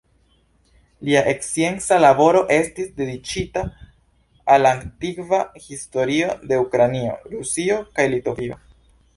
Lia scienca laboro estis dediĉita al la antikva historio de Ukraino, Rusio kaj Litovio.